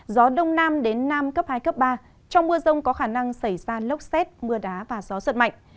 gió đông nam đến nam cấp hai cấp ba trong mưa rông có khả năng xảy ra lốc xét mưa đá và gió giật mạnh